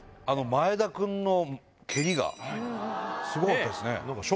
前田君の蹴りがすごかったですね。